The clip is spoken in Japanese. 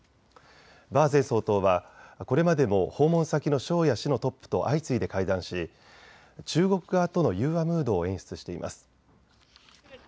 馬前総統はこれまでも訪問先の省や市のトップと相次いで会談し中国側との融和ムードを演出しています。